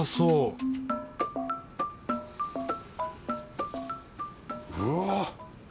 うわっ！